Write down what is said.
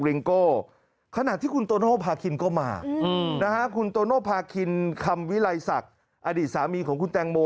ลิ้งโก่ขณะที่คุณโตเนอลพาคินก็มานะชาติสามีคุณแตงโม